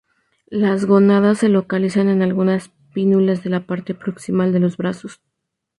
Las gónadas se localizan en algunas pínnulas de la parte proximal de los brazos.